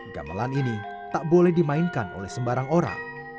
gamelan ini tak boleh dimainkan oleh sembarang orang